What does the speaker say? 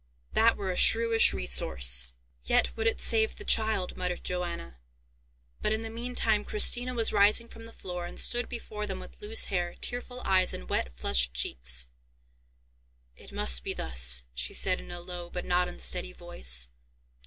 That were a shrewish resource." "Yet would it save the child," muttered Johanna. But, in the meantime, Christina was rising from the floor, and stood before them with loose hair, tearful eyes, and wet, flushed cheeks. "It must be thus," she said, in a low, but not unsteady voice.